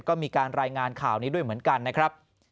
ก็มีการรายงานข่าวนี้ด้วยเหมือนกันนะครับ